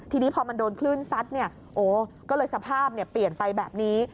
ทีนี้พอมันโดนคลื่นซัดเนี่ยโอ้ก็เลยสภาพเปลี่ยนไปแบบนี้